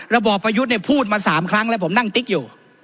บอบประยุทธ์เนี่ยพูดมา๓ครั้งแล้วผมนั่งติ๊กอยู่